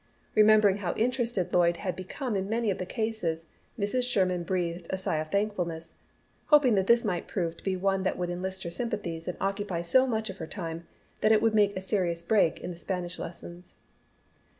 Remembering how interested Lloyd had become in many of the cases, Mrs. Sherman breathed a sigh of thankfulness, hoping that this might prove to be one that would enlist her sympathies and occupy so much of her time that it would make a serious break in the Spanish lessons.